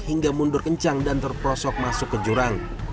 hingga mundur kencang dan terprosok masuk ke jurang